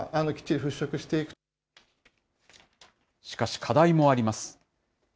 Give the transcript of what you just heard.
しかし課題もあります。